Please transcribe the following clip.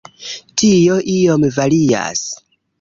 Tio iom varias.